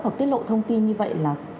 hoặc tiết lộ thông tin như vậy là